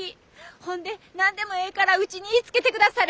ほんで何でもええからうちに言いつけてくだされ。